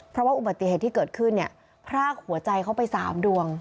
เพราะว่าอุบัติเหตุที่เกิดขึ้นเนี่ยพรากหัวใจเขาไป๓ดวง